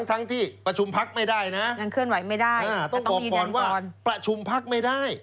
ทั้งที่ประชุมพักไม่ได้นะต้องบอกก่อนว่าประชุมพักไม่ได้